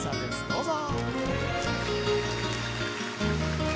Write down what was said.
どうぞ。